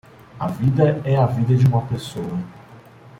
A vida é a vida de uma pessoa